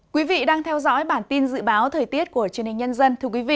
quý vị đang theo dõi bản tin dự báo thời tiết của truyền hình nhân dân